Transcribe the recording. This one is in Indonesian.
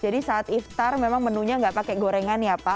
jadi saat iftar memang menunya nggak pakai gorengan ya pak